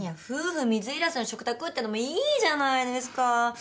夫婦水入らずの食卓ってのもいいじゃないですか。